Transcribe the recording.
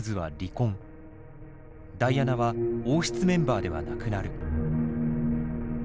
ダイアナは王室メンバーではなくなる。